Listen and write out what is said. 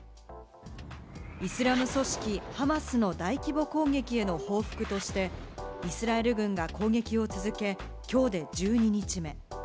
イスラム組織ハマスの大規模攻撃への報復として、イスラエル軍が攻撃を続け、きょうで１２日目。